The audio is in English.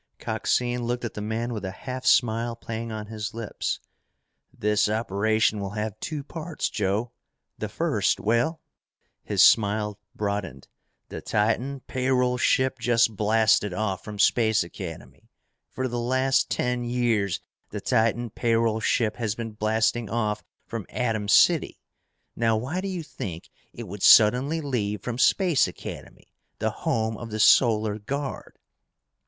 Coxine looked at the man with a half smile playing on his lips. "This operation will have two parts, Joe. The first well " his smiled broadened "the Titan pay roll ship just blasted off from Space Academy. For the last ten years, the Titan pay roll ship has been blasting off from Atom City. Now why do you think it would suddenly leave from Space Academy, the home of the Solar Guard?"